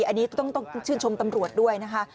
อันนี้ต้องชื่นชมตำรวจด้วยนะคะ